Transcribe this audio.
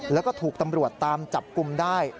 แล้วก็ถูกตำรวจตามจับกลุ่มได้